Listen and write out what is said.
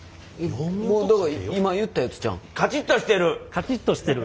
カチッとしてる？